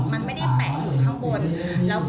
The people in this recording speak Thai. มันไม่ได้แปะอยู่ข้างบน